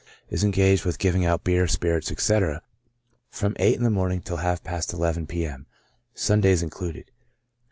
Is engaged with giving out beer, spirits, &c., from eight in the morning till half past eleven p.m., Sundays included.